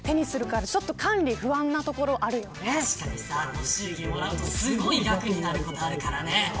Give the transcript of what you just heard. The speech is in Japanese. ご祝儀をもらうとすごい額になることあるからね。